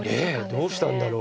ねえどうしたんだろう。